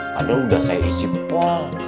padahal sudah saya isi pol